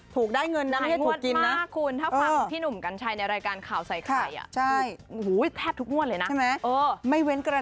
ถูกนะถูกได้เงินนำให้ถูกกินนะ